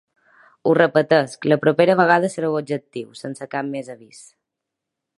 Ho repeteixo, la propera vegada sereu objectiu, sense cap més avís.